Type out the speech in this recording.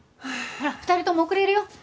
ほら２人とも遅れるよ。